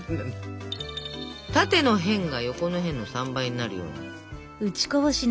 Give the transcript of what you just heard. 縦の辺が横の辺の３倍になるように。